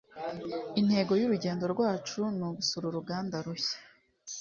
Intego y'urugendo rwacu ni ugusura uruganda rushya.